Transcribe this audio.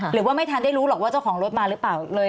หรือว่าไม่ทันได้รู้หรอกว่าเจ้าของรถมาหรือเปล่า